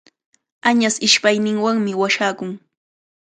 Añas ishpayninwanmi washakun.